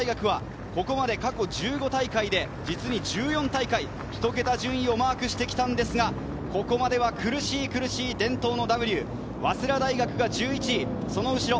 早稲田はここまで過去１５大会で１４大会ひと桁順位をマークしてきたんですが、ここまでは苦しい伝統のＷ、早稲田が１１位。